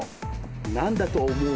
何だと思う？